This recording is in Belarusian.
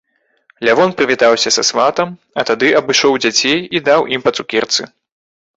Лявон прывітаўся з сватам, а тады абышоў дзяцей і даў ім па цукерцы.